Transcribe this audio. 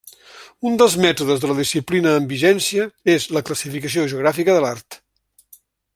Un dels mètodes de la disciplina amb vigència és la classificació geogràfica de l'art.